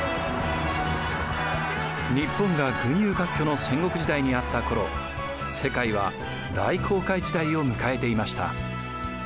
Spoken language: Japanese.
日本が「群雄割拠」の戦国時代にあった頃世界は大航海時代を迎えていました。